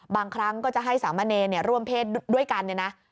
บางครั้งก็จะให้สามเณรร่วมเพศด้วยกันเนี่ยนะ